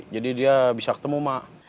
jadi dia bisa ketemu mak